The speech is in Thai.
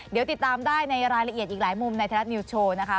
เดี๋ยวติดตามได้ในรายละเอียดอีกหลายมุมในไทยรัฐนิวส์โชว์นะคะ